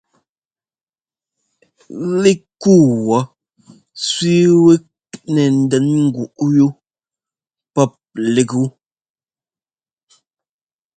Lík yú wɔ̌ sẅíi wɛ́k nɛ ndɛn ŋgúꞌ wú pɔ́p lík yu.